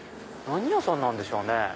何屋さんなんでしょうね？